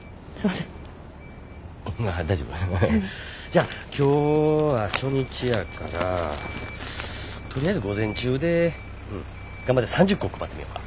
じゃあ今日は初日やからとりあえず午前中で頑張って３０個配ってみよか。